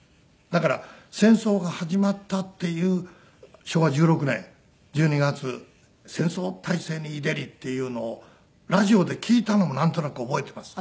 だから戦争が始まったっていう昭和１６年１２月「戦争体制に入れり」っていうのをラジオで聴いたのもなんとなく覚えてます。